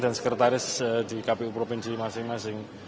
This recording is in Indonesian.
dan sekretaris di kpu provinsi masing masing